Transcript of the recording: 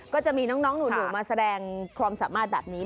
ก็จะมีน้องหนูมาแสดงความสามารถแบบนี้